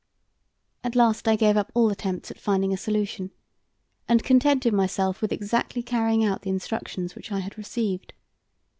At last I gave up all attempts at finding a solution, and contented myself with exactly carrying out the instructions which I had received.